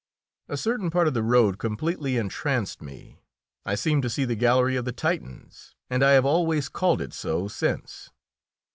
A certain part of the road completely entranced me; I seemed to see the "Gallery of the Titans," and I have always called it so since.